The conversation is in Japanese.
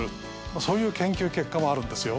そういう研究結果もあるんですよ。